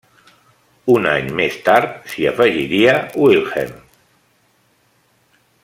Un any més tard, s'hi afegiria Wilhelm.